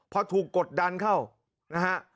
พอถูกกดดันเข้านะฮะ